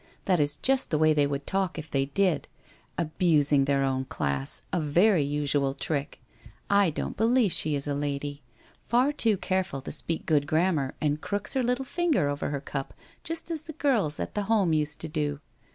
That is just the way they would talk if they did. Abusing their own class, a very usual trick! I don't believe she is a lady. Far too careful to speak good grammar and crooks her little finger over her cup just as the girls at the Home used to do